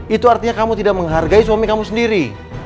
itu artinya kamu tidak menghargai suami kamu sendiri